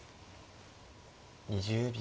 ２０秒。